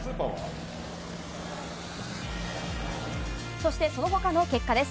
そして、そのほかの結果です。